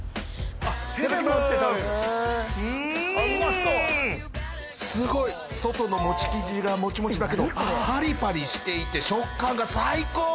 手で持って食べるあっウマそうすごい外の餅生地がモチモチだけどパリパリしていて食感が最高！